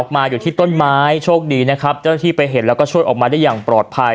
มาอยู่ที่ต้นไม้โชคดีนะครับเจ้าหน้าที่ไปเห็นแล้วก็ช่วยออกมาได้อย่างปลอดภัย